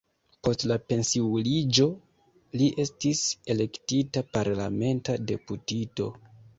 Post la pensiuliĝo li estis elektita parlamenta deputito.